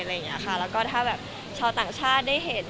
แล้วก็ถ้าแบบชาวต่างชาติได้เห็น